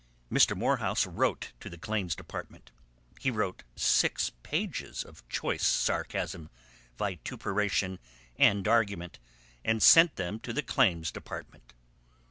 Mr. Morehouse wrote to the Claims Department. He wrote six pages of choice sarcasm, vituperation and argument, and sent them to the Claims Department.